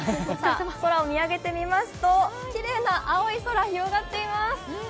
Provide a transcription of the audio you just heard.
空を見上げてみますと、きれいな青い空、広がっています。